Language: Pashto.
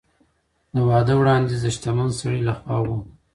د واده وړاندیز د شتمن سړي له خوا و.